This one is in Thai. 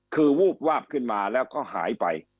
คือวูบวาบขึ้นมาแล้วก็หายไป